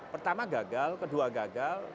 pertama gagal kedua gagal